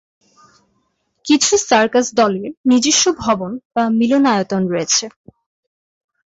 কিছু সার্কাস দলের নিজস্ব ভবন বা মিলনায়তন রয়েছে।